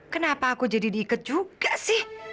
kenapa aku jadi diikut juga sih